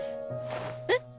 えっ！？